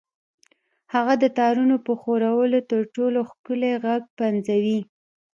هغه د تارونو په ښورولو تر ټولو ښکلي غږونه پنځوي